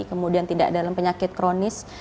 kemudian tidak dalam penyakit kronis